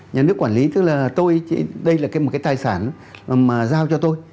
nhà nước quản lý tức là tôi đây là một cái tài sản mà giao cho tôi